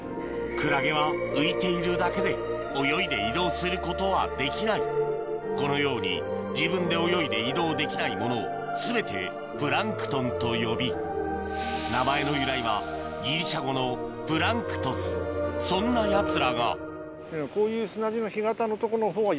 クラゲは浮いているだけで泳いで移動することはできないこのように自分で泳いで移動できないものを全てプランクトンと呼び名前の由来はギリシャ語のプランクトスそんなやつらがこういう。